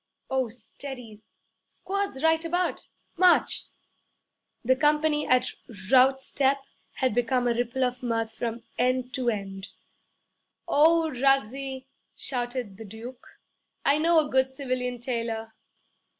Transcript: Oh, steady! Squads right about! March!' The company, at route step, had become a ripple of mirth from end to end. 'O Ruggsie!' shouted the Duke, 'I know a good civilian tailor!'